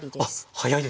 早いですね。